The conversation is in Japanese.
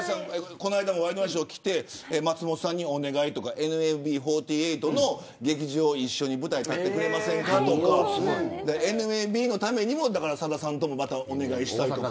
この間もワイドナショーに来て松本さんにお願いとかＮＭＢ４８の劇場一緒に舞台立ってくれませんかとかＮＭＢのためにも、さださんにお願いしたりとか。